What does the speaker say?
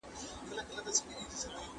که رڼا نه وي نو لوستل ګران دي.